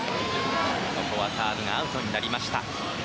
今のはサーブがアウトになりました。